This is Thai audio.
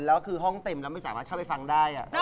แล้วคือห้องเต็มแล้วไม่สามารถเข้าไปฟังได้